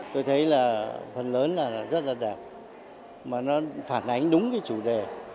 tôi thấy là phần lớn là rất là đẹp mà nó phản ánh đúng cái chủ đề